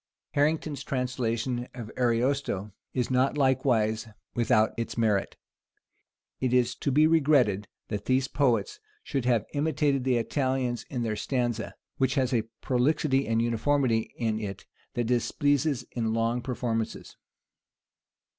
Harrington's translation of Ariosto is not likewise without its merit. It is to be regretted, that these poets should have imitated the Italians in their stanza, which has a prolixity and uniformity in it that displeases in long performances.